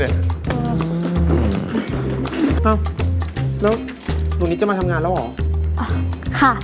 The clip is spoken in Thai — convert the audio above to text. แล้วหนุ่นนี้จะมาทำงานแล้วเหรอ